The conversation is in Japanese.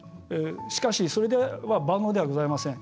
しかし、それでは万能ではありません。